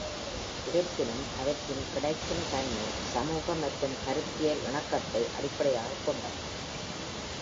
இருப்பினும், அவற்றின் கிடைக்கும் தன்மை சமூக மற்றும் கருத்தியல் இணக்கத்தை அடிப்படையாகக் கொண்டது.